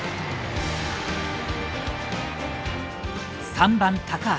３番高橋。